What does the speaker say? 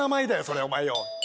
それお前よ。